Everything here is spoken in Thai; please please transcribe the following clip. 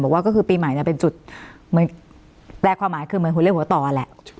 บอกว่าก็คือปีใหม่เนี่ยเป็นจุดเหมือนแปลความหมายคือเหมือนหัวเล่หัวต่อแหละ